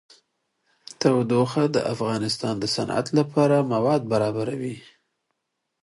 تودوخه د افغانستان د صنعت لپاره مواد برابروي.